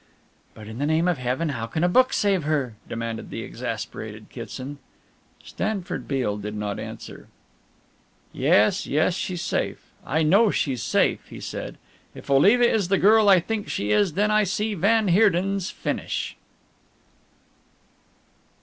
"But in the name of Heaven how can a book save her?" demanded the exasperated Kitson. Stanford Beale did not answer. "Yes, yes, she's safe. I know she's safe," he said. "If Oliva is the girl I think she is then I see van Heerden's finish."